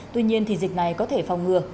tuy nhiên thì dịch này có thể phòng ngừa